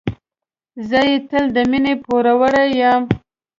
زه یې تل د مینې پوروړی یم.